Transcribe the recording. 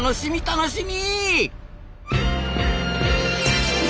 楽しみ！